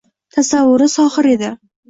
Tasavvuri sohir edi.